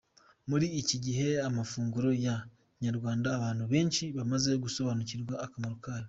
Muri iki gihe amafunguro ya kinyarwanda abantu benshi bamaze gusobanukirwa akamaro kayo.